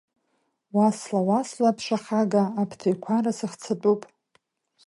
Уасла, уасла, аԥша хага, аԥҭа еиқәара сыхцатәуп.